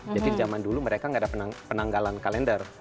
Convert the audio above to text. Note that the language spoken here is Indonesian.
jadi zaman dulu mereka nggak ada penanggalan kalender